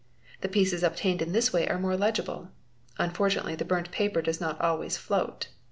The pieces obtained in this way are more legible. Unfortunately the burnt paper does not always float.